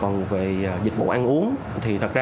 còn về dịch vụ ăn uống thì thật ra